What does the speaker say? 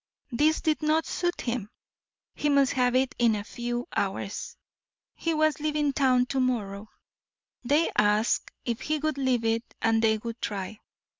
This did not suit him; he must have it in a few hours; he was leaving town to morrow. They asked if he would leave it and they would try.